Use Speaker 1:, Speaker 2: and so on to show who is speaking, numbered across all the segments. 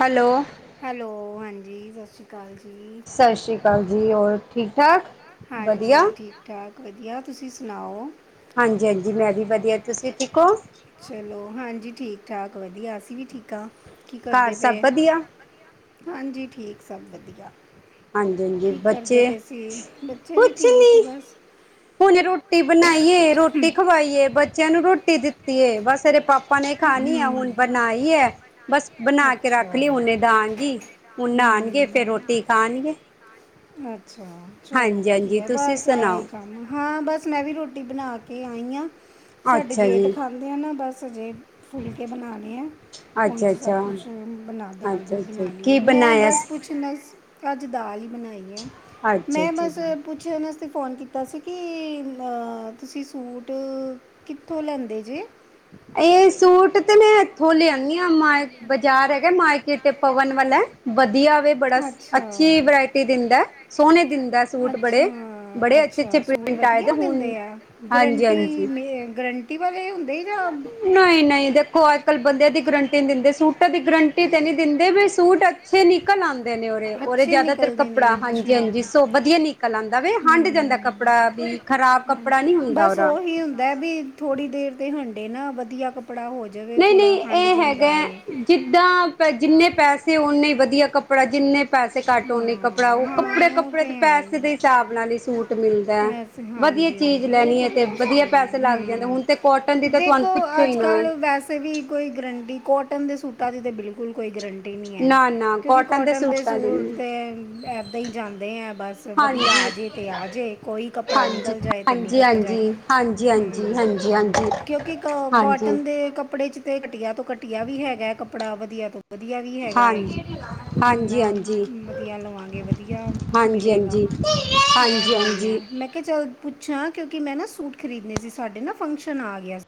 Speaker 1: Hello.
Speaker 2: Hello. ਹਾਂਜੀ। ਸਤਿ ਸ਼੍ਰੀ ਅਕਾਲ ਜੀ।
Speaker 1: ਸਤਿ ਸ਼੍ਰੀ ਅਕਾਲ ਜੀ। ਹੋਰ ਠੀਕ ਠਾਕ
Speaker 2: ਹਾਂਜੀ ਠੀਕ ਠਾਕ ਵਧੀਆ ਤੁਸੀਂ ਸੁਣਾਓ।
Speaker 1: ਹਾਂਜੀ, ਹਾਂਜੀ। ਮੈਂ ਵੀ ਵਧੀ ਵਧੀ। ਤੁਸੀਂ ਠੀਕ ਹੋ।
Speaker 2: ਚਲੋ। ਹਾਂਜੀ। ਠੀਕ, ਠਾਕ ਵਧੀਆ ਅਸੀਂ ਵੀ ਠੀਕ। ਕੀ
Speaker 1: ਘਰ
Speaker 2: ਕਰਦੇ
Speaker 1: ਸਭ
Speaker 2: ਪਏ
Speaker 1: ਵਧੀਆ
Speaker 2: ਹਾਂਜੀ ਠੀਕ ਸਭ ਵਧੀਆ।
Speaker 1: ਹਾਂਜੀ ਹਾਂਜੀ
Speaker 2: ਕੀ ਕਰਦੇ
Speaker 1: ਬੱਚੇ
Speaker 2: ਪਏ ਸੀ ਬੱਚੇ ਵੀ ਠੀਕ ਬਸ
Speaker 1: ਹੁਨ ਰੋਟੀ ਬਣਾਈ ਏ। ਰੋਟੀ ਖਵਾਈਏ ਬੱਚਿਆਂ। ਮੈਨੂੰ ਰੋਟੀ ਦਿੱਤੀ ਹੈ। ਬਸ ਇਹਰੇ ਪਾਪਾ ਆਪਾਂ ਨੇ ਖਣੀ ਹੈ।
Speaker 2: ਹੂੰ
Speaker 1: ਹੁਣ ਬਣਾਈ ਹੈ। ਬਸ ਬਣਾ ਕੇ
Speaker 2: ਅੱਛਾ
Speaker 1: ਰੱਖ ਲਈ। ਹੁਨੇ ਦਾਂਗੀ, ਹੁਣ ਨਾਣਗੇ। ਫੇਿਰ ਰੋਟੀ ਖਾਣਗੇ।
Speaker 2: ਅੱ ਅੱਛਾ। ਚਲੋ
Speaker 1: ਹਾਂਜੀ ਹਾਂਜੀ
Speaker 2: ਵਧੀਆ।
Speaker 1: ਤੁਸੀਂ
Speaker 2: ਬਸ ਇਹੀ
Speaker 1: ਸੁਣਾਓ
Speaker 2: ਕੰਮ ਹਾਂ। ਬਸ ਮੈਂ ਵੀ ਰੋਟੀ ਬਣਾ ਕੇ ਆਈ ਆ। ਸਾਡੀ
Speaker 1: ਅੱਛਾ
Speaker 2: ਲੇਟ
Speaker 1: ਜੀ
Speaker 2: ਖਾਂਦੇ ਆ ਨਾ ਬਸ। ਅਜੀ ਫੁਲਕੇ ਬਣਾਣੇ ਆ ਉੰਝ
Speaker 1: ਅੱਛਾ
Speaker 2: ਸਭ
Speaker 1: ਅੱਛਾ
Speaker 2: ਕੁਛ ਬ ਦਾਲ,
Speaker 1: ਅੱਛਾ
Speaker 2: ਦੁਲ
Speaker 1: ਅੱਛਾ
Speaker 2: ਬਣਾ ਲਈ ਹੈ।
Speaker 1: ਕੀ
Speaker 2: ਮੈਂ
Speaker 1: ਬਣਾਇਆ
Speaker 2: ਬਸ ਪੁੱਛਣਾ ਸੀ। ਅੱਜ ਦਾਲ ਹੀ ਬਣਾਈ ਐ
Speaker 1: ਅੱਛਾ
Speaker 2: ਮੈਂ
Speaker 1: ਅੱਛਾ
Speaker 2: ਬਸ
Speaker 1: ਜੀ
Speaker 2: ਪੁੱਛਿਣ ਆਸ ਫ਼ੋਨ ਕੀਤਾ ਸੀ। ਕਿ ਤੁਸੀਂ ਸੂਟ ਕਿੱਥੋਂ ਲੈਂਦੇ ਜੇ।
Speaker 1: ਇਹ ਸੂਟ ਤੇ ਮੈਂ ਇੱਥੋਂ ਲਿਆਣ ਮ ਬਾਜ਼ਾਰ ਹੈਗਾ ਮਾਰਕੀਟ ਤੇ ਪਵਨ ਵਾਲਾ ਵਧੀਆ। ਬੜੀ ਅੱਛੀ ਵਰਾਇਟੀ ਦਿੰਦਾ। ਸੋਨੇ ਅੱਛੇ
Speaker 2: ਅੱਛਾ-ਅੱਛਾ। ਸੂਟ
Speaker 1: ਪ੍ਰਿੰਟ ਆਏ
Speaker 2: ਵਧੀਆ
Speaker 1: ਦੇ ਹੁਣ
Speaker 2: ਦਿੰਦੇ ਆ।
Speaker 1: ਹਾਂਜੀ
Speaker 2: ਗਰੰਟੀ
Speaker 1: ਹਾਂਜੀ
Speaker 2: ਮੇ ਗਰੰਟੀ ਵਾਲੇ ਹੁੰਦੇ। ਜਾਂ
Speaker 1: ਨਹੀਂ, ਨਹੀਂ। ਦੇਖੋ ਅੱਜ, ਕੱਲ ਬੰਦੇਿਆਂ ਦੀ ਗਰੰਟੀ ਨਹੀਂ ਦਿੰਦੇ ਸੂਟ ਦੀ ਗਰੰਟੀ ਤੇ ਨਹੀਂ ਦਿੰਦੇ ਵੀ ਸੂਟ ਅੱਛੇ ਨਿਕਲ ਆਂਦੇ। ਉਰੇ ਉਰੇ
Speaker 2: ਅੱਛੇ ਨੇ
Speaker 1: ਜ਼ਿਆਦਾਤਰ
Speaker 2: ਨਿਕਲਦੇ ਨੇ
Speaker 1: ਕੱਪੜਾ ਹਾਂਜੀ,
Speaker 2: ਅੱਛਾ
Speaker 1: ਹਾਂਜੀ ਸੋ ਵਧੀਆ ਨਿਕਲ ਆਉਂਦਾ ਵੈ ਹੰਡ
Speaker 2: ਨਿਕਲਦਾ ਹੁੰਦਾ
Speaker 1: ਜਾਂਦਾ
Speaker 2: ਵੇ ਹਮ
Speaker 1: ਕੱਪੜਾ ਵੀ ਖ਼ਰਾਬ
Speaker 2: ਹਾਂ
Speaker 1: ਕੱਪੜਾ ਨੀ ਹੁੰਦਾ
Speaker 2: ਬਸ ਨਾਲ
Speaker 1: ਓਦਾ।
Speaker 2: ਉਹੀ ਹੁੰਦਾ ਵੀ ਥੋੜ੍ਹੀ ਦੇਰ ਤੇ ਹੰਡੇ ਨਾ ਵਧੀਆ ਕੱਪੜਾ ਹੋ ਜਾਵੇ
Speaker 1: ਨਹੀਂ
Speaker 2: ਥੋੜ੍ਹਾ
Speaker 1: ਨਹੀਂ
Speaker 2: ਹੰਡ
Speaker 1: ਇਹ
Speaker 2: ਨਹੀਂ
Speaker 1: ਹੈਗਾ
Speaker 2: ਜਾਂਦਾ ਏ
Speaker 1: ਜਿੱਦਾਂ ਪ ਜਿੰਨੇ ਪੈਸੇ ਨੇ ਵਧੀਆ
Speaker 2: ਹੀ
Speaker 1: ਕੱਪੜਾ ਜਿੰਨੇ ਪੈਸੇ ਕੱਟ ਕੱਪੜਾ
Speaker 2: ਘੱਟ
Speaker 1: ਉਹ
Speaker 2: ਹਾਂ
Speaker 1: ਕੱਪੜੇ
Speaker 2: ਹਾਂ ਉਹ
Speaker 1: ਕੱਪੜੇ
Speaker 2: ਤੇ
Speaker 1: ਦੇ
Speaker 2: ਹੈ ਹੀ
Speaker 1: ਪੈਸੇ
Speaker 2: ਹੈ।
Speaker 1: ਦੇ ਹਿਸਾਬ ਨਾਲ ਹੀ ਸੂਟ ਮਿਲਦਾ
Speaker 2: ਵੈਸੇ
Speaker 1: ਵਧੀਆ
Speaker 2: ਹਾਂਜੀ
Speaker 1: ਚੀਜ਼
Speaker 2: ਹਾਂਜੀ ਉਹ
Speaker 1: ਲੈਣੀ ਹੈ ਤੇ
Speaker 2: ਗੱਲ
Speaker 1: ਵਧੀਆ
Speaker 2: ਸਹੀ ਹੈ
Speaker 1: ਪੈਸੇ ਲੱਗ ਜਾਂਦੇ ਹੁਣ ਤੇ ਕੋਟਨ ਦੀ
Speaker 2: ਹੂੰ
Speaker 1: ਤਾਂ ਤੁਹਾਨੂੰ
Speaker 2: ਦੇਖੋ
Speaker 1: ਪੁੱਛੋ ਹੀ
Speaker 2: ਅੱਜ
Speaker 1: ਨਾ ਹੈ।
Speaker 2: ਕੱਲ੍ਹ ਵੈਸੇ ਵੀ ਕੋਈ ਗਰੰਟੀ ਕੋਟਨ ਦੇ ਸੂਟਾਂ ਦੀ ਤਾਂ ਬਿਲਕੁਲ ਕੋਈ ਗਰੰਟੀ ਨਹੀਂ ਹੈ
Speaker 1: ਨਾ ਨਾ
Speaker 2: ਕਿਉਂਕਿ ਕੋਟਨ ਦੇ
Speaker 1: ਸੂਟਾਂ ਦੀ
Speaker 2: ਸੂਟ
Speaker 1: ਨੀ
Speaker 2: ਤਾਂ ਇੱਦਾਂ ਹੀ ਜਾਂਦੇ ਹੈ ਬਸ ਵਧੀਆ ਆ
Speaker 1: ਹਾਂਜੀ
Speaker 2: ਜੇ ਅਤੇ ਆ ਜੇ ਕੋਈ ਕੱਪੜਾ
Speaker 1: ਹਾਂਜੀ
Speaker 2: ਨਿਕਲ ਜਾਏ ਤੇ
Speaker 1: ਹਾਂਜੀ
Speaker 2: ਨਿਕਲ ਜਾਏ
Speaker 1: ਹਾਂਜੀ ਹਾਂਜੀ ਹਾਂਜੀ ਹਾਂਜੀ ਹਾਂਜੀ
Speaker 2: ਕਿਉਂਕਿ ਕ
Speaker 1: ਹਾਂਜੀ ਹਾਂਜੀ
Speaker 2: ਕੋਟਨ ਦੇ ਕੱਪੜੇ 'ਚ ਤੇ ਘਟੀਆ ਤੋਂ ਘਟੀਆ ਵੀ ਹੈਗਾ ਕੱੜਾ ਵਧੀਆ ਤੋਂ ਵਧੀਆ ਵੀ ਹੈਗਾ
Speaker 1: ਹਾਂਜੀ
Speaker 2: ਜਿੰਨਾ
Speaker 1: ਹਾਂਜੀ ਹਾਂਜੀ
Speaker 2: ਵਧੀਆ ਲਵਾਂਗੇ ਵਧੀਆ ਮਿਲੇਗਾ
Speaker 1: ਹਾਂਜੀ
Speaker 2: ਇਹ
Speaker 1: ਹਾਂਜੀ
Speaker 2: ਗੱਲ
Speaker 1: ਹਾਂਜੀ
Speaker 2: ਹੈ ਚਲ ਪੁੱਛਿਆ ਕਿਉਂਕਿ ਮੈਂ ਨਾ ਸੂਟ ਖਰੀਦਣੇ ਸੀ ਸਾਡੇ ਨਾ ਫੰਕਸ਼ਨ ਆ ਗਿਆ ਸੀ।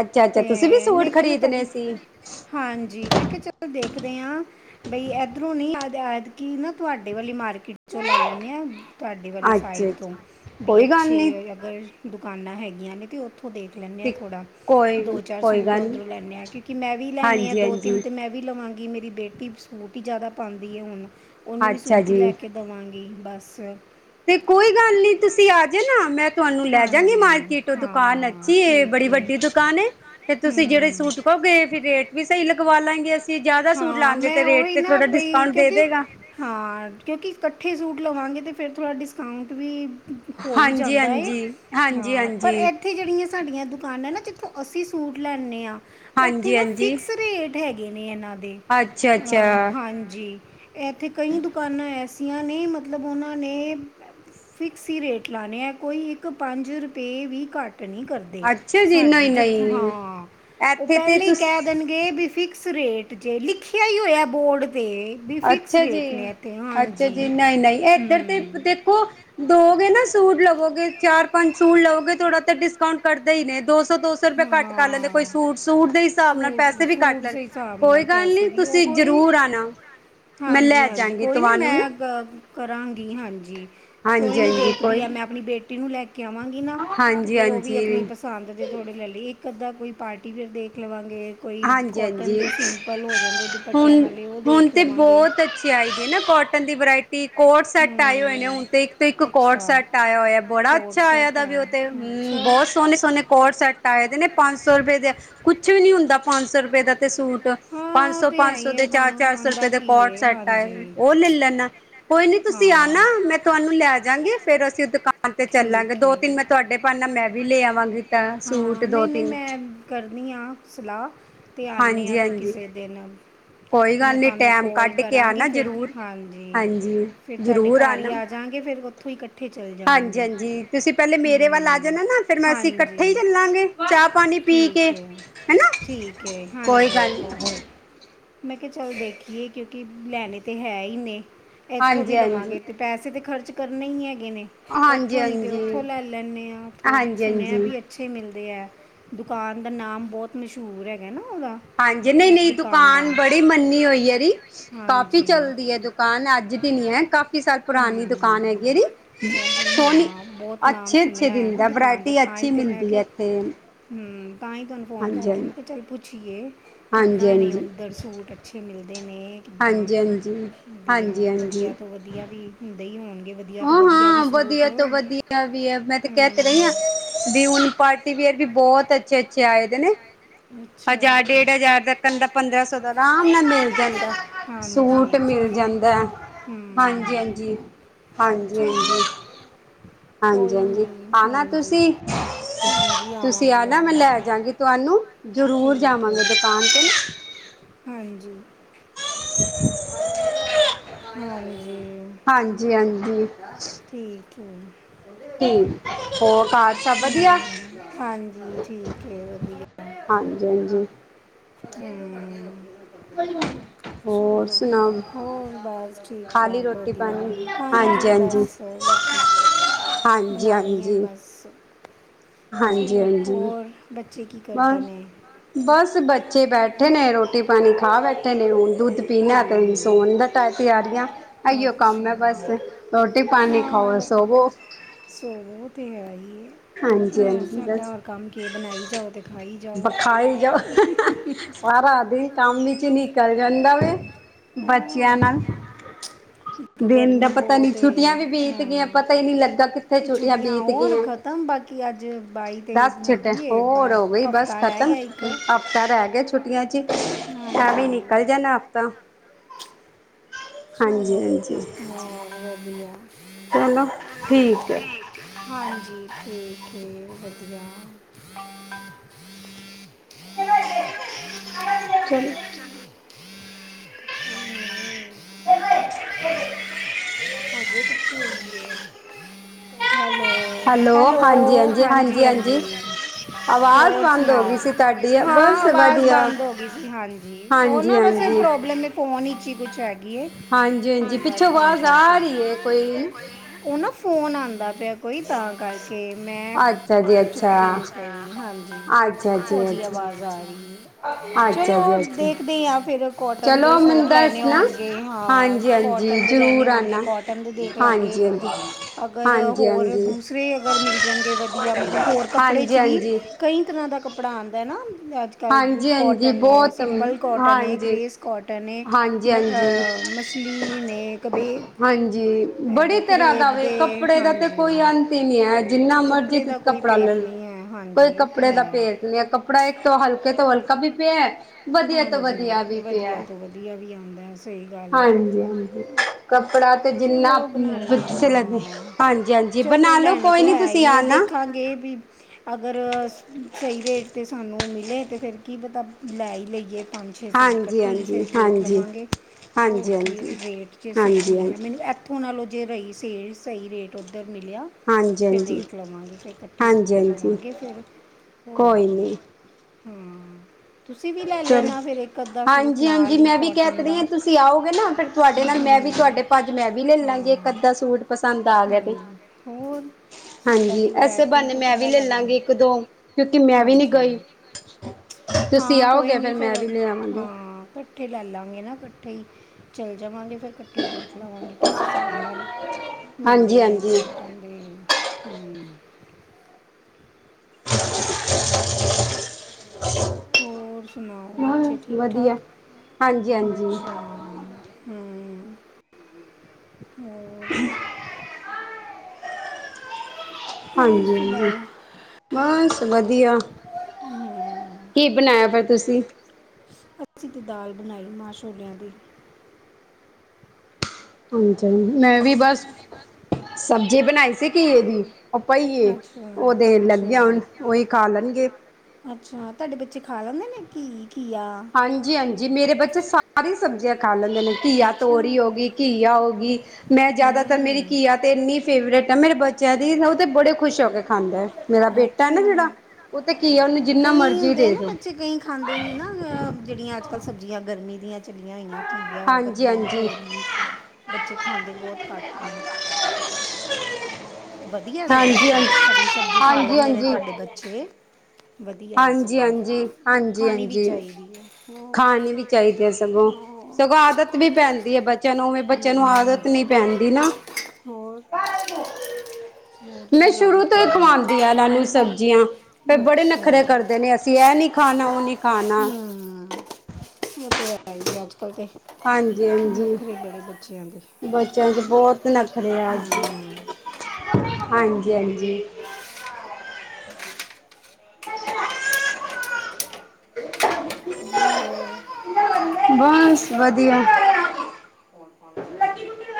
Speaker 1: ਅੱਛਾ ਅੱਛਾ
Speaker 2: ਤੇ
Speaker 1: ਤੁਸੀਂ ਵੀ
Speaker 2: ਮੈਂ
Speaker 1: ਸੂਟ
Speaker 2: ਕਿਹਾ ਮੈਂ ਤੁਹਾਡੇ
Speaker 1: ਖਰੀਦਣੇ ਸੀ
Speaker 2: ਹਾਂਜੀ ਮੈਂ ਕਿਹਾ ਚਲੋ ਦੇਖ ਦੇਖਦੇ ਹ ਬਈ ਇਧਰੋਂ ਨੀ ਨਾ ਤੁਹਾਡੇ ਵਾਲੀ ਮਾਰਕੀਟ ਚੋਂ ਲੈ ਲੈਣੇ ਆ। ਤੁਹਾਡੀ ਵਾਲੀ
Speaker 1: ਅੱਛਾ
Speaker 2: ਸਾਈਡ ਤੋਂ
Speaker 1: ਅੱਛਾ
Speaker 2: ਵੀ
Speaker 1: ਕੋਈ ਗੱਲ
Speaker 2: ਅੱਛੇ
Speaker 1: ਨਹੀਂ
Speaker 2: ਅਗਰ ਦੁਕਾਨਾਂ ਹੈਗੀਆਂ ਨੇ ਤੇ ਉੱਥੋਂ ਦੇਖ ਲੈਂਦੇ
Speaker 1: ਤੇ
Speaker 2: ਹਾਂ ਥੋੜਾ
Speaker 1: ਕੋਈ
Speaker 2: ਦੋ ਚਾਰ
Speaker 1: ਕੋਈ
Speaker 2: ਸੂਟ
Speaker 1: ਗੱਲ ਨਹੀਂ
Speaker 2: ਉੱਧਰੋਂ ਲੈਦੇ ਹਾਂ ਕਿਉਂਕਿ ਮੈਂ ਵੀ ਲੈਣੇ ਆ
Speaker 1: ਹਾਂਜੀ
Speaker 2: ਦੋ ਤਿੰਨ
Speaker 1: ਹਾਂਜੀ
Speaker 2: ਤੇ ਮੈਂ ਵੀ ਲਵਾਂਗੀ ਕਿ ਮੇਰੀ ਬੇਟੀ ਸੂਟ ਹੀ ਜ਼ਿਆਦਾ ਪਾਉਂਦੀ ਹੈ ਹੁਣ ਉਹਨੂੰ ਵੀ
Speaker 1: ਅੱਛਾ
Speaker 2: ਸੂਟ ਹੀ ਲੈ
Speaker 1: ਜੀ
Speaker 2: ਕੇ ਦੇਵਾਂਗੀ। ਬਸ
Speaker 1: ਤੇ ਕੋਈ ਗੱਲ ਨਹੀਂ ਤੁਸੀਂ ਆ ਜਾਨਾ ਮੈਂ ਤੁਹਾਨੂੰ ਲੈ ਜਗੀ
Speaker 2: ਹਾਂਜੀ
Speaker 1: ਮਾਰਕੀਟ ਦੁਕਾਨ
Speaker 2: ਹਾਂ
Speaker 1: ਅੱਛੀ ਏ
Speaker 2: ਠੀਕ
Speaker 1: ਬੜੀ
Speaker 2: ਹੈ
Speaker 1: ਵੱਡੀ ਦੁਕਾਨ ਏ ਫਰ ਤੁਸੀਂ ਜਿਹੜੇ
Speaker 2: ਹੂੰ
Speaker 1: ਸੂਟ ਕਹੋਗੇ ਫ ਰੇਟ ਵੀ ਸਹੀ ਲਗਵਾ ਲਾਂਗੇ ਅਸੀਂ ਜ਼ਿਆਦਾ ਸੂਟ
Speaker 2: ਹਾਂ
Speaker 1: ਲਾਂਗੇ
Speaker 2: ਮੈਂ
Speaker 1: ਤੇ ਰੇਟ
Speaker 2: ਉਹੀ
Speaker 1: ਤੇ
Speaker 2: ਨਾ
Speaker 1: ਥੋੜਾ
Speaker 2: ਪਈ
Speaker 1: ਡਿਸਕਾਊਂਟ ਦੇ
Speaker 2: ਕਿਉਂਕਿ
Speaker 1: ਦੇਗਾ
Speaker 2: ਹਾਂ ਕਿਉਂਕਿ ਇਕੱਠੇ ਸੂਟ ਲਵਾਂਗੇ ਤੇ ਫਿਰ ਥੋੜ੍ਹਾ ਡਿਸਕਾਊਂਟ ਵੀ ਹੋ ਹੀ
Speaker 1: ਹਾਂਜੀ
Speaker 2: ਜਾਂਦਾ ਏ
Speaker 1: ਹਾਂਜੀ ਹਾਂਜੀ
Speaker 2: ਹਾਂ ਪਰ
Speaker 1: ਹਾਂਜੀ
Speaker 2: ਇੱਥੇ ਜਿਹੜੀਆਂ ਸਾਡੀਆਂ ਦੁਕਾਨਾਂ ਨਾ ਜਿੱਥੋਂ ਅਸੀਂ ਸੂਟ ਲੈਂਣੇ ਹਾਂ। ਉੱਥੇ
Speaker 1: ਹਾਂਜੀ
Speaker 2: ਦਾ
Speaker 1: ਹਾਂਜੀ
Speaker 2: ਫਿਕਸ ਰੇਟ ਹੈਗੇ ਨੇ ਇਹਨਾਂ ਦੇ
Speaker 1: ਅੱਛਾ
Speaker 2: ਦੇ
Speaker 1: ਅੱਛਾ
Speaker 2: ਹਾਂਜੀ। ਇੱਥੇ ਕਈ ਦੁਕਾਨਾਂ ਐਸੀ ਨੇ ਮਤਲਬ ਉਹਨਾਂ ਨੇ ਫਿਕਸ ਹੀ ਰੇਟ ਲਾਣੇ ਹੈ ਕੋਈ ਇੱਕ ਪੰਜ ਰੁਪਏ ਵੀ ਘੱਟ, ਨਹੀਂ ਕਰਦੇ
Speaker 1: ਅੱਛਾ ਜੀ
Speaker 2: ਸਾਡੇ
Speaker 1: ਨਹੀਂ
Speaker 2: ਜਿੱਥੇ
Speaker 1: ਨਹੀਂ
Speaker 2: ਹਾਂ ਉਹ
Speaker 1: ਇੱਥੇ ਤੇ
Speaker 2: ਪਹਿਲੇਾ ਹੀ
Speaker 1: ਤੁਸ
Speaker 2: ਕਹਿ ਦੇਣਗੇ ਵੀ ਫ ਸੀ ਰੇਟ ਜੇ ਲਿਖਿਆ ਹੀ ਹੋਇਆ ਬੋਰਡ ਦੇ ਵੀ ਫਿਕਸ
Speaker 1: ਅੱਛਾ ਜੀ
Speaker 2: ਰੇਟ ਨੇ ਐਥੇ
Speaker 1: ਅੱਛਾ
Speaker 2: ਹਾਂਜੀ
Speaker 1: ਜੀ ਨਹੀਂ ਨਹੀਂ ਇੱਧਰ ਤੇ
Speaker 2: ਹੂੰ,
Speaker 1: ਦੇਖੋ ਦੋਗੇ ਨਾ ਸੂਟ ਲਵੋਗੇ ਚਾਰ ਪੰਜ ਸੂਟ ਲਵੋਗੇ, ਥੋੜ੍ਹਾ ਤਾਂ ਡਿਸਕਾਊਂਟ ਕਰਦੇ ਹੀ ਨੇ ਦੋ ਸੋ ਦੋ ਸੋ ਰੁਪਏ ਘੱਟ ਕਰ ਲੈਂਦੇ ਕੋਈ ਸੂਟ-ਸੂਟ ਦੇ ਹਿਸਾਬ ਨਾਲ
Speaker 2: ਸੌ ਦੋ
Speaker 1: ਪੈਸੇ ਵੀ
Speaker 2: ਸੌ ਰੁਪਏ ਘੱਟ ਹਾਂ ਕਰ ਦੇਣਾ ਤੇ ਕੋਈ ਸੂਟ ਸੂਟ
Speaker 1: ਕੱਟ
Speaker 2: ਦੇ ਸੂਟ ਹਿਸਾਬ ਨਾਲ ਸੂਟ
Speaker 1: ਲੈਣ
Speaker 2: ਦੇ ਹਿਸਾਬ
Speaker 1: ਕੋਈ
Speaker 2: ਨਾਲ
Speaker 1: ਗੱਲ ਨੀ ਤੁਸੀਂ ਜਰੂਰ ਆਣਾ। ਮੈਂ ਲੈ
Speaker 2: ਹਾਂਜੀ-ਹਾਂਜੀ,
Speaker 1: ਜਾਂਗੀ
Speaker 2: ਕੋਈ ਨੀ
Speaker 1: ਤੁਹਾਨੂੰ
Speaker 2: ਮੈਂ
Speaker 1: ਨਾ
Speaker 2: ਕਰਾਂਗੀ। ਹਾਂਜੀ, ਕੋਈ
Speaker 1: ਹਾਂਜੀ
Speaker 2: ਨੀ
Speaker 1: ਹਾਂਜੀ
Speaker 2: ਦੇਖਦੀ
Speaker 1: ਕੋਈ
Speaker 2: ਹੈ, ਮੈਂ ਆਪਣੀ ਬੇਟ ਟੀ ਨੂੰ ਲੈ ਕੇ, ਕੇਵਾਂਗੀ, ਨਾ ਤੇ
Speaker 1: ਹਾਂਜੀ
Speaker 2: ਫੇਰ ਉਹ ਵੀ ਆਪਣੀ
Speaker 1: ਹਾਂਜੀ
Speaker 2: ਪਸੰਦ ਦੇ ਇੱਕ ਅੱਧਾ ਕੋਈ ਪਾਰਟੀ ਫੇਰ ਦੇਖ ਲਵਾਂਗੇ। ਕੋਈ ਕਾਟਨ
Speaker 1: ਹਾਂਜੀ-ਹਾਂਜੀ,
Speaker 2: ਦੇ ਸਿੰਪਲ ਹੋ ਜਾਂਦੇ ਦੁਪੱਟਿਆਂ
Speaker 1: ਹੁਣ
Speaker 2: ਵਾਲੇ ਉਹ
Speaker 1: ਹੁਣ
Speaker 2: ਦੇਖ
Speaker 1: ਤੇ
Speaker 2: ਲਵਾਂਗੇ
Speaker 1: ਬਹੁਤ ਅੱਛੇ ਆਏ ਗੀ ਨਾ ਕੋਟਨ ਦੀ ਵਰਾਇਟੀ ਕੋਟ ਸੈੱਟ ਆਏ ਹੋਏ ਨੇ
Speaker 2: ਹੂੰ
Speaker 1: ਹੁਣ ਤੇ ਇੱਕ-ਇੱਕ ਕੋਟ
Speaker 2: ਅੱਛਾ
Speaker 1: ਸੈੱਟ ਆਇਆ ਹੋਇਆ, ਬੜਾ
Speaker 2: ਕੋਟ
Speaker 1: ਅੱਛਾ ਆਇਆ
Speaker 2: ਸੈਟ
Speaker 1: ਦਾ
Speaker 2: ਆਏ
Speaker 1: ਵੀ ਉਹ ਤੇ
Speaker 2: ਗਾ।
Speaker 1: ਹੂੰ
Speaker 2: ਅੱਛਾ
Speaker 1: ਬਹੁਤ ਸੋਹਣੇ ਸੋਹਣੇ ਕੋਟ ਸੈੱਟ ਆਏ ਦੇ ਨੇ। ਪੰਜ ਸੌ ਰੁਪਏ ਦੇ ਆ ਕੁੱਛ ਵੀ ਨੀ ਹੁੰਦਾ। ਪੰਜ ਸੌ ਰੁਪਏ ਦਾ, ਤੇ ਸੂਟ ਪੰਜ
Speaker 2: ਹਾਂ ਉਹ
Speaker 1: ਸੌ
Speaker 2: ਤੇ ਹੈ
Speaker 1: ਪੰਜ ਸੌ
Speaker 2: ਹੀ
Speaker 1: ਦੇ
Speaker 2: ਬਾ
Speaker 1: ਚਾਰ-ਚਾਰ ਸੌ
Speaker 2: ਆਉਂਦਾ
Speaker 1: ਰੁਪਏ ਦੇ
Speaker 2: ਕੀ
Speaker 1: ਕੋਟ
Speaker 2: ਹੈ
Speaker 1: ਸੈੱਟ
Speaker 2: ਹਾਂਜੀ
Speaker 1: ਆਏ ਉਹ ਲੈ ਲੈਣਾ ਕੋਈ ਨੀ ਤੁਸੀਂ ਆਨਾ
Speaker 2: ਹਾਂ
Speaker 1: ਮੈਂ ਤੁਹਾਨੂੰ ਲੈਜਗੇ ਫੇਰ ਅਸੀਂ ਦੁਕ ਤੇ ਚੱਲਾਂਗੇ,
Speaker 2: ਠੀਕ ਹੈ
Speaker 1: ਦੋ ਤਿੰਨ ਮੈਂ ਤੁਹਾਡੇ ਬਾਨੇ ਨਾਲ ਮੈਂ ਵੀ ਲੈ ਆਵਾਂਗੀ, ਤਾਂ ਸੂਟ
Speaker 2: ਹਾਂ
Speaker 1: ਦੋ
Speaker 2: ਨਹੀਂ ਨਹੀਂ
Speaker 1: ਤਿੰਨ
Speaker 2: ਮੈਂ ਕਰਦੀ ਹਾਂ ਸਲਾਹ, ਤੇ ਆਨੇ ਆ
Speaker 1: ਹਾਂਜੀ
Speaker 2: ਫਿਰ
Speaker 1: ਹਾਂਜੀ
Speaker 2: ਕਿਸੇ ਦਿਨ
Speaker 1: ਕੋਈ
Speaker 2: ਫਿਰ ਮੈਂ
Speaker 1: ਗੱਲ ਨੀ
Speaker 2: ਤੁਹਾਨੂੰ
Speaker 1: ਟੈਮ
Speaker 2: ਕੋਲ
Speaker 1: ਕੱਢ ਕੇ
Speaker 2: ਕਰਾਂਗੀ,
Speaker 1: ਆਣਾ
Speaker 2: ਫਿਰ
Speaker 1: ਜ਼ਰੂਰ
Speaker 2: ਹਾਂਜੀ ਫਿਰ ਤੁਹਾਡੇ
Speaker 1: ਜ਼ਰੂਰ
Speaker 2: ਘਰ
Speaker 1: ਆਣਾ
Speaker 2: ਹੀ ਆਜਗੇ ਫੇਰ ਉੱਥੋਂ ਹੀ ਇਕੱਠੇ ਚੱਲ
Speaker 1: ਹਾਂਜੀ
Speaker 2: ਜਾਵਾਂਗੇ।
Speaker 1: ਤੁਸੀਂ ਪਹਿਲੇ ਮੇਰੇ ਵੱਲ ਆ
Speaker 2: ਹੂੰ
Speaker 1: ਜਾਣਾ ਨਾ ਫਿਰ ਮੈਂ ਅਸੀਂ ਇਕੱਠੇ ਹੀ
Speaker 2: ਹਾਂਜੀ
Speaker 1: ਚੱਲਾਂਗੇ ਚਾਹ ਪਾਣੀ ਪੀ ਕੇ
Speaker 2: ਠੀਕ ਹੈ
Speaker 1: ਹਨਾ,
Speaker 2: ਠੀਕ ਹੈ
Speaker 1: ਕੋਈ
Speaker 2: ਹਾਂਜੀ
Speaker 1: ਗੱਲ
Speaker 2: ਓ
Speaker 1: ਨ
Speaker 2: ਮੈਂ ਕਿਹਾ ਚੱਲ ਦੇਖੀਏ, ਕਿਉਂਕਿ ਲੈਣੇ ਤਾਂ ਹੈ ਹੀ ਨੇ, ਇੱਥੋਂ
Speaker 1: ਹਾਂਜੀ
Speaker 2: ਵੀ
Speaker 1: ਹਾਂਜੀ ਹਾਂਜੀ
Speaker 2: ਲਵਾਂਗੇ ਤੇ ਪੈਸੇ ਪੈਸੇ ਤੇ ਖਰਚ ਕਰਨੇ ਹੀ ਹੈ। ਗਏ ਨੇ,
Speaker 1: ਹਾਂਜੀ
Speaker 2: ਉੱਥੋਂ ਨੀ ਤੇ ਉੱਥੋਂ
Speaker 1: ਹਾਂਜੀ
Speaker 2: ਲੈ ਲੈਨੇ ਆ ਸੁਣਿਆ
Speaker 1: ਹਾਂਜੀ
Speaker 2: ਵੀ ਅੱਛੇ ਨੇ, ਹੁੰਦੇ ਹੈ, ਦੁਕਾਨ ਦਾ ਨਾਮ ਬਹੁਤ ਮਸ਼ਹੂਰ ਹੈਗਾ। ਉਹਦਾ
Speaker 1: ਹਾਂਜੀ,
Speaker 2: ਉਸ
Speaker 1: ਨਹੀਂ-ਨਹੀਂ
Speaker 2: ਦਾ
Speaker 1: ਦੁਕਾਨ ਬੜੀ ਮੰਨੀ ਹੋਈ ਹੈ, ਕਾਫ਼ੀ
Speaker 2: ਹਾਂਜੀ
Speaker 1: ਚਲਦੀ ਹੈ, ਦੁਕਾਨ ਅੱਜ ਦੀ ਨੀ ਹੈ ਕਾਫੀ ਸਾਲ ਪੁਰਾਣੀ
Speaker 2: ਹੂੰ
Speaker 1: ਦੁਕਾਨ ਹੈਗੀ।
Speaker 2: ਉਹੀ
Speaker 1: ਸੋਹਣੀ
Speaker 2: ਹਾਂ ਬਹੁਤ ਨਾਮ
Speaker 1: ਅੱਛੇ-ਅੱਛੇ,
Speaker 2: ਸੁਣਿਆ ਹੈ ਨਾ
Speaker 1: ਦਿੰਦਾ
Speaker 2: ਦੁਕਾਨ ਦਾ
Speaker 1: ਵਰਾਇਟੀ
Speaker 2: ਤਾਂ ਹੀ
Speaker 1: ਅੱਛੀ
Speaker 2: ਤੇ ਮੈਂ
Speaker 1: ਮਿਲਦੀ ਹੈ
Speaker 2: ਕਿਹਾ
Speaker 1: ਇੱਥੇ,
Speaker 2: ਹੂੰ, ਤਾਂ ਹੀ ਤੁਹਾਨੂੰ ਫ਼ੋਨ
Speaker 1: ਹਾਂਜੀ ਹਾਂਜੀ
Speaker 2: ਕਰਕੇ ਮੈਂ ਕਿਹਾ ਚੱਲ ਪੁੱਛੀਏ ਕਿੱਦਾਂ
Speaker 1: ਹਾਂਜੀ
Speaker 2: ਨਹੀਂ
Speaker 1: ਹਾਂਜੀ
Speaker 2: ਉੱਧਰ ਸੂਟ ਅੱਛੇ ਮਿਲਦੇ। ਨੇ ਕਿੱਦਾਂ
Speaker 1: ਹਾਂਜੀ-ਹਾਂਜੀ,
Speaker 2: ਵਧੀਆ
Speaker 1: ਹਾਂਜੀ-ਹਾਂਜੀ।
Speaker 2: ਵਧੀਆ ਤੋਂ ਵਧੀਆ ਵੀ ਹੁੰਦੇ ਹੀ ਹੋਣ ਗੇ ਵਧੀਆ ਤੋਂ
Speaker 1: ਉਹ
Speaker 2: ਵਧੀਆ ਵੀ
Speaker 1: ਹਾਂ ਵਧੀਆ ਤੋਂ ਵਧੀਆ ਵੀ ਹੈ ਮੈਂ ਤੇ ਕਹਿ ਤੇ ਰਹੀ ਹਾਂ ਵੀ ਹੁਣ ਪਾਰਟੀ ਵਅਰ ਵੀ ਬਹੁਤ ਅੱਛੇ ਅੱਛੇ ਆਏ ਦੇ ਨੇ
Speaker 2: ਅੱਛਾ
Speaker 1: ਹਜ਼ਾਰ ਡੇਢ ਹਜ਼ਾਰ ਦਾਕਲਾ ਪੰਦਰਾਂ ਸੌ ਦਾ ਆਰਾਮ ਨਾਲ ਮਿਲ ਜਾਂਦਾ ਸੂਟ
Speaker 2: ਹਾਂਜੀ
Speaker 1: ਮਿਲ
Speaker 2: ਚਲ
Speaker 1: ਜਾਂਦਾ ਹਾਂਜੀ
Speaker 2: ਹੂੰ
Speaker 1: ਹਾਂਜੀ ਹਾਂਜੀ
Speaker 2: ਚਲ
Speaker 1: ਹਾਂਜੀ ਹਾਂਜੀ
Speaker 2: ਕੋਈ
Speaker 1: ਹਾਂਜੀ
Speaker 2: ਨਹੀਂ
Speaker 1: ਆਣਾ
Speaker 2: ਹਾਂਜੀ
Speaker 1: ਤੁਸੀਂ,
Speaker 2: ਹਾਂਜੀ
Speaker 1: ਤੁਸੀਂ
Speaker 2: ਆਵਾਂਗੇ
Speaker 1: ਆਣਾ ਮੈਂ ਲੈ
Speaker 2: ਆਵਾਂਗੇ
Speaker 1: ਜਾਗੇ ਤੁਹਾਨੂੰ ਜ਼ਰੂਰ
Speaker 2: ਠੀਕ
Speaker 1: ਜਾਵਾਂਗੇ
Speaker 2: ਹੈ
Speaker 1: ਦੁਕਾਨ 'ਤੇ
Speaker 2: ਹਾਂਜੀ ਹਾਂਜੀ
Speaker 1: ਹਾਂਜੀ-ਹਾਂਜੀ।
Speaker 2: ਠੀਕ ਕਿ
Speaker 1: ਠੀਕ ਹੋਰ ਘਰ ਸਭ
Speaker 2: [unintelligible]
Speaker 1: ਵਧੀਆ
Speaker 2: ਹ ਹਾਂਜੀ ਠੀਕ ਵਧੀਆ
Speaker 1: ਹਾਂਜੀ ਹਾਂਜੀ
Speaker 2: ਕਿੇਮ [unintelligible]
Speaker 1: ਹੋਰ
Speaker 2: ਚਲੋ
Speaker 1: ਸੁਣਾਓ
Speaker 2: ਹੋਰ ਬਸ ਠੀਕ
Speaker 1: ਖਾ ਲਈ
Speaker 2: ਠਾਕ
Speaker 1: ਰੋਟੀ
Speaker 2: ਵਧੀਆ
Speaker 1: ਪਾਣੀ
Speaker 2: ਹਾਂਜੀ
Speaker 1: ਹਾਂਜੀ
Speaker 2: ਬਸ ਰੋਟੀ
Speaker 1: ਹਾਂਜੀ
Speaker 2: ਬਣਾਉਣੀ ਹੈ
Speaker 1: ਹਾਂਜੀ
Speaker 2: ਬਸ
Speaker 1: ਹਾਂਜੀ
Speaker 2: ਚਲੋ
Speaker 1: ਹਾਂਜੀ
Speaker 2: ਹੋਰ ਬਚੇ
Speaker 1: ਬਸ ਬਸ ਬੱਚੇ ਬੈਠੇ ਨੇ ਰੋਟੀ ਪਾਣੀ ਖਾ ਬੈਠੇ ਨੇ ਹੁਣ ਦੁੱਧ ਪੀਣਾ ਤੇ
Speaker 2: ਹਮ,
Speaker 1: ਸੌਣ ਦਾ ਟ ਤਿਆਰੀਆਂ ਆਈਓ
Speaker 2: ਅੱਛਾ
Speaker 1: ਕੰਮ ਹੈ ਬਸ ਰੋਟੀ ਪਾਣੀ
Speaker 2: ਹਾਂ
Speaker 1: ਖਾਓ
Speaker 2: ਵਧੀਆ
Speaker 1: ਸੋਵੋਂ
Speaker 2: ਹ ਸਾਡਾ ਹੋਰ ਕੰਮ ਬਣਾਈ ਜਾਓ ਤੇ ਖਾਈ ਜਾਓ
Speaker 1: ਖਾਈ ਜਾਓ ਸਾਰਾ ਦਿਨ ਕੰਮ ਵਿੱਚ ਨਿਕਲ ਜਾਂਦਾ ਵੇ ਬੱਚਿਆਂ
Speaker 2: ਹੋਰ
Speaker 1: ਨਾਲ
Speaker 2: ਇੱਕ
Speaker 1: ਦਿਨ ਦਾ
Speaker 2: ਗਰਮੀ
Speaker 1: ਪਤਾ ਨੀ
Speaker 2: ਬਹੁਤ
Speaker 1: ਛੁੱਟੀਆਂ
Speaker 2: ਹੈ
Speaker 1: ਵੀ ਬੀਤ ਗਈਆਂ
Speaker 2: ਹਾਂ
Speaker 1: ਪਤਾ ਹੀ ਨਹੀਂੀ ਲੱਗਾ ਕਿੱਥੇ ਛੁੱਟੀਆਂ ਬੀਤ
Speaker 2: ਹੋਰ
Speaker 1: ਗਈਆਂ
Speaker 2: ਖਤਮ ਬਾਕੀ ਅੱਜ ਤੇ
Speaker 1: ਦੱਸ
Speaker 2: ਹੋ
Speaker 1: ਛੁੱਟੇ
Speaker 2: ਗਈ ਹੈ
Speaker 1: ਹੋਰ ਹੋ ਗਈ ਬਸ
Speaker 2: ਹਫਤਾ ਰਹਿ
Speaker 1: ਖਤਮ
Speaker 2: ਗਿਆ ਇੱਕ
Speaker 1: ਹਫ਼ਤਾ ਰਹਿ ਗਿਆ ਛੁੱਟੀਆਂ ਚ ਆ ਵੀ
Speaker 2: ਹਾਂਜੀ
Speaker 1: ਨਿਕਲ ਜਾਂਦਾ ਹਫ਼ਤਾਂ
Speaker 2: ਚਲੋ
Speaker 1: ਹਾਂਜੀ
Speaker 2: ਵਧੀਆ
Speaker 1: ਚਲੋ ਠੀਕ ਹੈ
Speaker 2: ਫੇਰ ਵਦੀਆ
Speaker 1: ਚਲੋ
Speaker 2: ਹੂੰ, [inaudible] [inaudible]
Speaker 1: ਹੈਲੋ
Speaker 2: ਹੈਲੋ-ਹੈਲੋ
Speaker 1: ਹਾਂਜੀ ਹਾਂਜੀ ਹਾਂਜੀ ਹਾਂਜੀ
Speaker 2: ਹਾਂਜੀ-ਹਾਂਜੀ
Speaker 1: ਆਵਾਜ਼
Speaker 2: ਹੋਰ
Speaker 1: ਬੰਦ ਹੋ
Speaker 2: ਸੁਨਾਓ?
Speaker 1: ਗਈ ਸੀ ਤੁਹਾਡੀ
Speaker 2: ਹਾਂ ਆਵਾਜ਼ ਬੰਦ ਹੋ ਗਈ ਸੀ ਹਾਂਜੀ। ਉਹ ਨਾ ਬਸ
Speaker 1: ਹਾਂਜੀ-ਹਾਂਜੀ,
Speaker 2: ਪ੍ਰੋਬਲਮ ਹੈ ਫੋਨ ਈਚ ਈ ਕੁਛ ਹੈਗ ਗੀ ਐ ਹਾਂਜੀ-ਹਾਂਜੀ ਪਿੱਛੋ ਆਵਾਜ਼ ਆ ਰਹੀ ਐ ਕੋਈ ਉਹ ਨਾ ਫੋਨ ਆਨ ਪਿਆ ਕੋਈ ਤਾਂ ਕਰ ਕੇ ਮੈਂ [inaudible]
Speaker 1: ਅੱਛਾ ਜੀ
Speaker 2: ਚੁੱਪ
Speaker 1: ਅੱਛਾ
Speaker 2: ਗਈ ਇਸ ਕਾਰਨ ਹਾਂ
Speaker 1: ਅੱਛਾ ਜੀ
Speaker 2: ਓਹਦੀ
Speaker 1: ਅੱਛਾ
Speaker 2: ਆਵਾਜ਼ ਆ ਰਹੀ। ਚਲੋ
Speaker 1: ਅੱਛਾ ਜੀ
Speaker 2: ਅੱਜ
Speaker 1: ਅੱਛਾ
Speaker 2: ਦੇਖਦੇ ਈ ਹਾਂ ਫਿਰ। ਕੋਟਨ ਦੇ
Speaker 1: ਚਲੋ ਮੈਨੂੰ
Speaker 2: ਸੂਟ ਲੈਨੇ
Speaker 1: ਦੱਸਣਾ
Speaker 2: ਹੋਨਗੇ ਹਾਂ
Speaker 1: ਹਾਂਜੀ ਹਾਂਜੀ
Speaker 2: ਕੋਟਨ ਦੇ ਲੈਨੇ
Speaker 1: ਜ਼ਰੂਰ
Speaker 2: ਹੋਨਗੇ
Speaker 1: ਆਣਾ
Speaker 2: ਕੋਟਨ ਦੇ ਦੇਖ ਲਾਂਗੇ
Speaker 1: ਹਾਂਜੀ ਹਾਂਜੀ
Speaker 2: ਅਗਰ
Speaker 1: ਹਾਂਜੀ
Speaker 2: ਹੋਰ
Speaker 1: ਹਾਂਜੀ
Speaker 2: ਦੂਸਰੇ ਅਗਰ ਮਿਲ ਜਾਨਗੇ ਵਧੀਆ ਮਤਲਬ ਹੋਰ ਕੱਪੜੇ ਚ
Speaker 1: ਹਾਂਜੀ
Speaker 2: ਵੀ
Speaker 1: ਹਾਂਜੀ
Speaker 2: ਕਈ ਤਰਹਾਂ ਦਾ ਕੱਪੜਾ ਆਦਾ ਹੈ ਨਾ। ਅੱਜ ਕੱਲ
Speaker 1: ਹਾਂਜੀ
Speaker 2: [inaudible]
Speaker 1: ਹਾਂਜੀ
Speaker 2: ਕੋਟਨ ਏ
Speaker 1: ਬਹੁਤ
Speaker 2: ਸਿੰਪਲ ਕਾਟਨ ਏ
Speaker 1: ਹਾਂਜੀ
Speaker 2: ਗ੍ਰੇ ਸਕਰਟ ਟਨ ਏ
Speaker 1: ਹਾਂਜੀ
Speaker 2: ਮ ਆ
Speaker 1: ਹਾਂਜੀ
Speaker 2: ਮਸਲੀ ਹੀ ਨੇ [unintelligible]
Speaker 1: ਹਾਂਜੀ ਬੜੀ ਤਰਾਹ ਦਾ ਵੇ
Speaker 2: ਦੇ
Speaker 1: ਕੱਪੜੇ ਦਾ ਤੇ
Speaker 2: ਹਾਂਜੀ
Speaker 1: ਕੋਈ ਅੰਤ ਹੀ ਨੀ ਹੈ ਜਿੰਹਨਾਂ ਮਰਜੀ
Speaker 2: ਕੱਪੜੇ
Speaker 1: ਤੁਸੀ
Speaker 2: ਦਾ ਕੋਈ
Speaker 1: ਕੱਪੜਾ
Speaker 2: ਭੇਤ
Speaker 1: ਲਓ
Speaker 2: ਨਹੀਂ ਹੈ
Speaker 1: ਕੋਈ
Speaker 2: ਹਾਂਜੀ ਇਹ ਤੇ
Speaker 1: ਕੱਪੜੇ ਦਾ
Speaker 2: ਹੈ
Speaker 1: ਭੇਧ ਨੀ ਹੈ ਕੱਪੜਾ ਇੱਕ ਤੋ ਹਲਕੇ ਤੋ ਹਲਕਾ ਵੀ ਪਿਆ ਐ।
Speaker 2: ਹਾਂਜੀ ਵਧੀਆ ਤੋ ਵਧੀਆ ਵੀ ਆਦਾ ਹੈ ਸਹੀ ਗੱਲ ਐ।
Speaker 1: ਹਾਂਜੀ ਹਾਂਜੀ ਕੱਪੜਾ ਤੇ ਜਿੰਨਾ
Speaker 2: ਚਲੋ ਬਨਾਨੇਂ
Speaker 1: ਤੁਸੀਂ ਲੈਂਦੇ
Speaker 2: ਹਾਂ
Speaker 1: ਹਾਂਜੀ ਹਾਂਜੀ
Speaker 2: ਚਲੋ
Speaker 1: ਬਣਾ ਲਓ
Speaker 2: ਲੈਨੇ
Speaker 1: ਕੋਈ
Speaker 2: ਤੇ
Speaker 1: ਨੀ
Speaker 2: ਹੈ
Speaker 1: ਤੁਸੀਂ
Speaker 2: ਈ ਐਂ
Speaker 1: ਆਣਾ
Speaker 2: ਦੇਖਾਂਗੇ ਵੀ ਅਗਰ ਸ ਸਹੀ ਰੇਟ ਤੇ ਸਾਨੂੰ ਮਿ ਲੇ ਤੇ ਫੇਰ ਕੀ ਪਤਾ ਲੈ ਈ ਲਈਏ ਪੰਜ ਛੇ ਸੂਟ
Speaker 1: ਹਾਂਜੀ
Speaker 2: ਇਕੱਠੇ ਹੀ ਫਿਰ
Speaker 1: ਹਾਂਜੀ
Speaker 2: ਵੇਖ
Speaker 1: ਹਾਂਜੀ
Speaker 2: ਲਵਾਂਗੇ ਹੋਰ
Speaker 1: ਹਾਂਜੀ
Speaker 2: ਕੀ
Speaker 1: ਹਾਂਜੀ
Speaker 2: ਰੇਟ ਤੇ ਸਹੀ
Speaker 1: ਹਾਂਜੀ ਹਾਂਜੀ ਹਾਂਜੀ
Speaker 2: ਮਿਲਿਆ ਮੈਨੂੰ ਇੱਥੋਂ ਨਾਲੋਂ ਜੇ ਰਈਸ ਤੇ ਸਹੀ ਰੇਟ ਉੱਧਰ ਮਿਲਿਆ ਫਿਰ
Speaker 1: ਹਾਂਜੀ
Speaker 2: ਦੇਖ ਲਵਾਂਗੇ ਫਿਰ ਇਕੱਠੇ ਹੀ
Speaker 1: ਹਾਂਜੀ
Speaker 2: ਸੂਟ
Speaker 1: ਹਾਂਜੀ
Speaker 2: ਲਵਾਂਗੇ ਫਿਰ ਹੋਰ
Speaker 1: ਕੋਈ
Speaker 2: ਕੀ।
Speaker 1: ਨੀ
Speaker 2: ਹੂੰ ਤੁਸੀ,
Speaker 1: ਚਲੋ ਹਾਂਜੀ-ਹਾਂਜੀ
Speaker 2: ਹੀ
Speaker 1: ਮੈਂ ਵੀ ਕਹਿ ਤੇ
Speaker 2: ਕਾਟਨ
Speaker 1: ਰਹੀ ਹਾਂ
Speaker 2: ਦਾ
Speaker 1: ਤੁਸੀ ਆਓਗੇ ਨਾ ਫਿਰ ਤੁਹਾਡੇ ਨਾਲ ਮੈਂ ਵੀ
Speaker 2: ਹਮ,
Speaker 1: ਤੁਹਾਡੇ ਭੱਜ ਮੈਂ ਵੀ ਲਏ ਲਾਂਗੀ ਇਕ
Speaker 2: ਹਾਂ
Speaker 1: ਅੱਧਾ ਸੂਟ ਪਸੰਦ ਆ ਗਿਆ ਤੇ
Speaker 2: ਹਾਂਜੀ ਹੋਰ ਸੂਟਾਂ
Speaker 1: ਹਾਂਜੀ
Speaker 2: ਦੀ
Speaker 1: ਇਸੇ
Speaker 2: ਵਰਾਇਟੀ
Speaker 1: ਬਹਾਨੇ
Speaker 2: ਤੋਂ
Speaker 1: ਮੈਂ ਵੀ
Speaker 2: ਪਤਾ
Speaker 1: ਲਏ
Speaker 2: ਲੱਗਦਾ
Speaker 1: ਲਾਂਗੀ ਇੱਕ ਦੋ ਕਿਉਂਕਿ ਮੈਂ ਵੀ ਨੀ
Speaker 2: ਹਾਂਜੀ
Speaker 1: ਗਈ ਤੁਸੀਂ ਆਓ।
Speaker 2: ਇੰਹਨੀ ਤਰਹਾਂ ਦੀ ਹਾਂ ਕੱਠੇ ਲਏ ਲਾਂਗੇ ਨਾ ਕੱਠੇ ਈ ਚੱਲ ਜਾਵਾਂਗੇ। ਫਿਰ ਇਕੱਠੇ ਈ ਦੇਖ ਲਵਾਂਗੇ ਕਿਸ ਹਿਸਾਬ ਨਾਲ ਮਿਲਦੇ
Speaker 1: ਹਾਂਜੀ
Speaker 2: ਏਂ
Speaker 1: ਹਾਂਜੀ
Speaker 2: ਕੋਟਨ ਦੇ। ਹੂੰ, ਹੋਰ ਸੁਨਾਓ ਬਚ ਚੇ
Speaker 1: ਬਸ
Speaker 2: ਠੀਕ
Speaker 1: ਵਧੀਆ
Speaker 2: ਠਾਕ
Speaker 1: ਹਾਂਜੀ ਹਾਂਜੀ
Speaker 2: ਅੱਛਾ, ਹੰ [unintelligible]
Speaker 1: [unintelligible]
Speaker 2: ਹੋਰ
Speaker 1: ਹਾਂਜੀ, ਹਾਂਜੀ।
Speaker 2: ਸੁਣਾਓ
Speaker 1: ਬਸ ਵਧੀਆ
Speaker 2: ਹੂੰ
Speaker 1: ਕੀ ਬਨਾਇਆ ਫੇਰ ਤੁਸੀਂ।
Speaker 2: ਅਸੀ ਤੇ ਦਾਲ ਬਨਾਈ ਮਾਂ ਛੋਲਿਆਂ ਦੀ।
Speaker 1: ਹਾਂਜੀ ਹਾਂਜ ਮੈਂ ਵੀ ਬਸ ਸਬਜ਼ੀ ਬਨਾਈ। [unintelligible] ਉਹ ਪਈਏ,
Speaker 2: ਅੱਛਾ
Speaker 1: ਉਹਦੇ
Speaker 2: ਅੱਛਾ
Speaker 1: ਲੱਗਆਂ ਹੁਨ ਉਹੀ ਖਾ ਲੈਨਗੇ।
Speaker 2: ਅੱਛਾ, ਤੁਹਾਡੇ ਬੱਚੇ ਖਾ ਲੈਂਦੇ ਨੇ ਕੀ ਘੀਆ
Speaker 1: ਹਾਂਜੀ, ਹਾਂਜੀ। ਮੇਰੇ ਬੱਚੇ ਸਾਰੀ ਸਬਜ਼ੀਆਂ ਖਾ ਲੈਂਦੇ ਨੇ, ਘੀਆ
Speaker 2: ਅੱਛਾ
Speaker 1: ਤੋਰੀ
Speaker 2: ਹੂੰ
Speaker 1: ਹੋ ਗਈ, ਘੀਆ ਹੋ ਗਈ, ਮੈਂ ਜ਼ਿਆਦਾਤਰ ਮੇਰੀ ਘੀਆ ਤੇ ਇੰਨੀ ਫੇਵਰੇਟ ਐ। ਮੇਰੇ ਬੱਚੇ [unintelligible] ਉਹ ਤੇ ਬੜੇ ਖੁਸ਼ ਹੋ ਕੇ ਖਾਂਦਾ ਐ।
Speaker 2: ਅੱਛਾ,
Speaker 1: ਉਹਨੂੰ ਜਿੰਨਾ
Speaker 2: ਕਈ
Speaker 1: ਮਰਜ਼ੀ
Speaker 2: ਹੁੰਦੇ ਆ
Speaker 1: ਦੇ
Speaker 2: ਨਾ
Speaker 1: ਦੋ
Speaker 2: ਬੱਚੇ ਕਈ ਖਾਂਦੇ ਨੀ ਨਾ ਅ ਜੇਹੜੀਆ ਅੱਜ ਕੱਲ ਸਬਜ਼ੀਆਂ ਗਰਮੀ ਛਲੀਆ ਹੇਗੀਆ ਘੀਆ,
Speaker 1: ਹਾਂਜੀ
Speaker 2: ਕੱਦੂ,
Speaker 1: ਹਾਂਜੀ
Speaker 2: ਤੋਰੀ, ਬੱਚੇ ਖਾਂਦੇ ਬੋਤ ਘੱਟ ਨੇ। ਵਧੀਆ ਏ ਸਗੋਂ
Speaker 1: ਹਾਂਜੀ ਹਾਂਜੀ
Speaker 2: [unintelligible] ਸਬਜ਼ੀ
Speaker 1: ਹਾਂਜੀ
Speaker 2: ਕਿੰਨੇ ਨੇ ਤੁਹਾਡੇ ਬੱਚੇ? ਵਧੀਆ ਹੈ
Speaker 1: ਹਾਂਜੀ,
Speaker 2: ਸਗੋਂ
Speaker 1: ਹਾਂਜੀ, ਹਾਂਜੀ,
Speaker 2: ਖਾਣੀ ਵੀ
Speaker 1: ਹਾਂਜੀ,
Speaker 2: ਚਾਹੀਦੀ ਹੈ ਹੋਰ
Speaker 1: ਖਾਨੀ ਵੀ ਚਾਹੀਦੀ ਐ ਸਗੋਂ,
Speaker 2: ਹੋਰ
Speaker 1: ਸਗੋਂ ਆਦਤ ਵੀ ਪੈਂਦੀ ਐ ਬੱਚਿਆਂ ਨੂ ਓਵੇ, ਬੱਚਿਆਂ ਨੂੰ
Speaker 2: ਹਮ,
Speaker 1: ਆਦਤ ਨੀ ਪੈਂਦੀ ਨਾ।
Speaker 2: ਹੋਰ ਹੋਰ
Speaker 1: ਮੈਂ
Speaker 2: ਕੀ
Speaker 1: ਸ਼ੁਰੂ
Speaker 2: ਆਦਤ
Speaker 1: ਤੋਂ
Speaker 2: ਪੇਂਦੀ।
Speaker 1: [unintelligible] ਨੂੰ ਸਬਜ਼ੀਆਂ ਤੇ ਬੜੇ ਨਖਰੇ ਕਰਦੇ ਨੇ, ਅਸੀਂ ਇਹ ਨੀ ਖਾਨਾ, ਉਹ ਨੀ
Speaker 2: ਹੁੰ। ਉਹ ਤੇ ਹੈ ਈ ਏ।
Speaker 1: ਹਾਂਜੀ, ਹਾਂਜੀ
Speaker 2: ਬੱਚਿਆਂ ਦੇ
Speaker 1: ਬੱਚਿਆਂ ਚ ਬਹੁਤ ਨਖ [unintelligible] ਹਾਂਜੀ,
Speaker 2: ਹਮ
Speaker 1: ਹਾਂਜੀ। [unintelligible]
Speaker 2: [unintelligible]
Speaker 1: ਬਸ ਵਧੀਆ।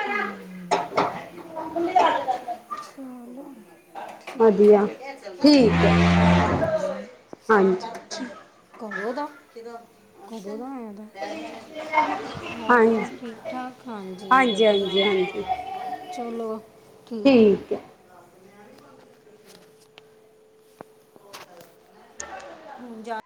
Speaker 2: ਹੁੰ ਚਲੋ। ਠੀਕ
Speaker 1: ਵਧੀਆ
Speaker 2: ਏ, ਹਾਂਜੀ,
Speaker 1: ਠੀਕ ਹੈ ਹਾਂਜੀ
Speaker 2: ਕਦੋ ਦਾ। [unintelligible] [inaudible] ਹੋਰ
Speaker 1: ਹਾਂਜੀ
Speaker 2: ਠੀਕ ਠਾਕ ਹਾਂਜੀ ਵਧੀਆ
Speaker 1: ਹਾਂਜੀ ਹਾਂਜੀ
Speaker 2: ਚਲੋ ਠੀਕ [inaudible] ਹੁਣ ਜਾ